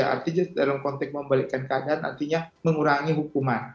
artinya dalam konteks membalikkan keadaan artinya mengurangi hukuman